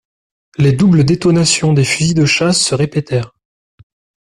Les doubles détonations des fusils de chasse se répétèrent.